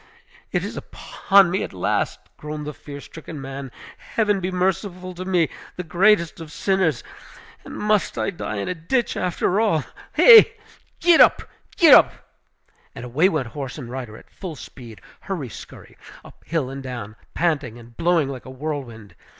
"It is upon me at last!" groaned the fear stricken man. "Heaven be merciful to me, the greatest of sinners! And must I die in a ditch, after all? He! get up, get up!" And away went horse and rider at full speed, hurry scurry, up hill and down, panting and blowing like a whirlwind.